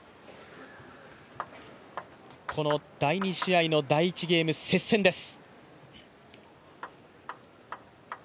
この第２試合の第１ゲーム、接戦です。